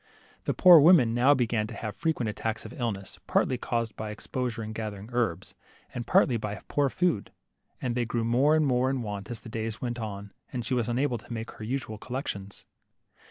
The poor woman now began to have frequent attacks of illness, partly caused by ex posure in gathering herbs, and partly by poor food, and they grew more and more in want as the days went on, and she was unable to make her usual col lections.